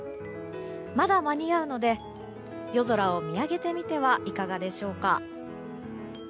まだ間に合うので夜空を見上げてみてはいかがでしょうか。